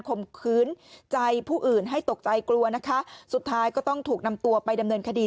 คืนใจผู้อื่นให้ตกใจกลัวนะคะสุดท้ายก็ต้องถูกนำตัวไปดำเนินคดี